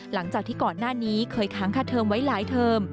หลังจากที่ก่อนหน้านี้เคยค้างค่าเทิมไว้หลายเทอม